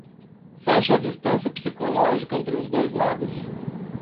Feche a distância psicológica entre os dois lados